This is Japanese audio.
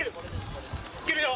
いけるよ。